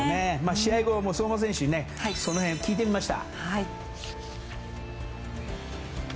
試合後、相馬選手にその辺を聞いてみました。